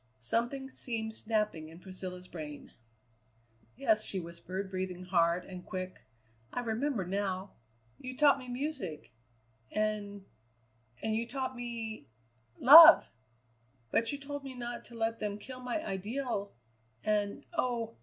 Something seemed snapping in Priscilla's brain. "Yes," she whispered, breathing hard and quick. "I remember now: you taught me music, and and you taught me love, but you told me not to let them kill my ideal; and, oh!